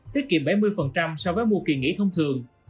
tiết kiệm bảy mươi so với mua kỳ nghỉ thông thường